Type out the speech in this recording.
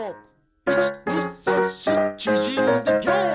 いちにさんしちぢんでビョーン！